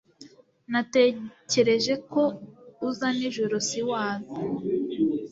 Natekereje ko uza nijoro siwaza